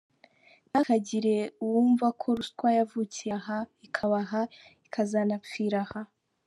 Ntihakagire uwumva ko ruswa yavukiye aha, ikaba aha, ikazanapfira aha.